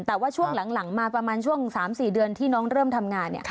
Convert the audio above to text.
แต่ว่าช่วงหลังมาประมาณช่วง๓๔เดือนที่น้องเริ่มทำงาน